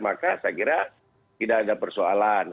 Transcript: maka saya kira tidak ada persoalan